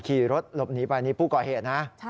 ขี่รถหลบหนีไปนี่ผู้ก่อเหตุนะ